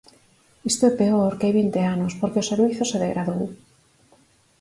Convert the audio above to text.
Isto é peor que hai vinte anos, porque o servizo se degradou.